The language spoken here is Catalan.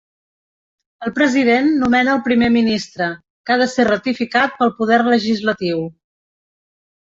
El president nomena el primer ministre, que ha de ser ratificat pel poder legislatiu.